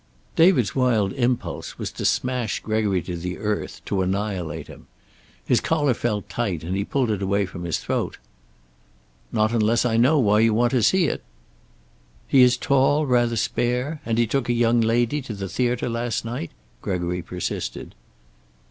David's wild impulse was to smash Gregory to the earth, to annihilate him. His collar felt tight, and he pulled it away from his throat. "Not unless I know why you want to see it." "He is tall, rather spare? And he took a young lady to the theater last night?" Gregory persisted.